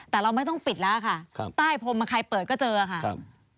แต่เราไม่ต้องปิดแล้วค่ะครับใต้พรมใครเปิดก็เจอค่ะครับ